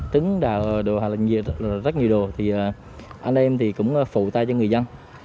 tứng đào đồ rất nhiều đồ thì anh em thì cũng phụ tay cho người dân